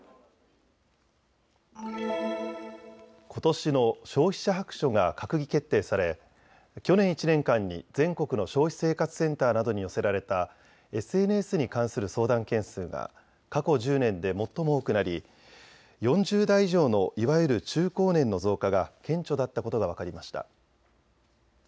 ことしの消費者白書が閣議決定され去年１年間に全国の消費生活センターなどに寄せられたＳＮＳに関する相談件数が過去１０年で最も多くなり４０代以上のいわゆる中高年の増加が顕著だったことが分かりました。